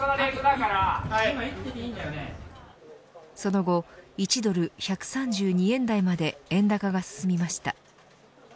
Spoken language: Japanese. その後、１ドル１３２円台まで円高が進みました。